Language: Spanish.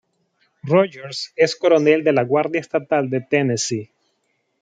Rogers es Coronel de la Guardia Estatal de Tennessee.